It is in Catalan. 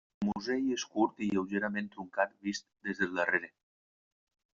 El musell és curt i lleugerament truncat vist des del darrere.